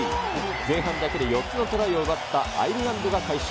前半だけで４つのトライを奪ったアイルランドが快勝。